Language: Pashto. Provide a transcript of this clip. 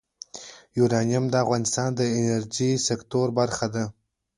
یورانیم د افغانستان د انرژۍ سکتور برخه ده.